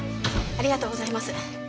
ありがとうございます。